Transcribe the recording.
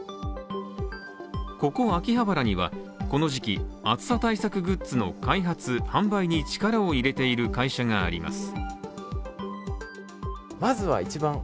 ここ秋葉原には、この時期、暑さ対策グッズの開発・販売に力を入れている会社があります。